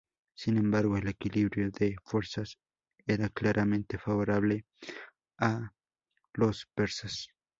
Sin embargo, el equilibrio de fuerzas era claramente favorable a los persas.